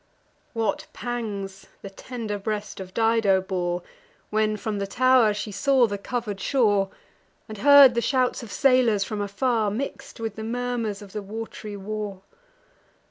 What pangs the tender breast of Dido tore, When, from the tow'r, she saw the cover'd shore, And heard the shouts of sailors from afar, Mix'd with the murmurs of the wat'ry war!